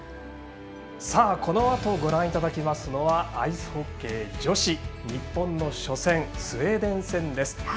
このあとご覧いただきますのはアイスホッケー女子日本の初戦スウェーデン戦です。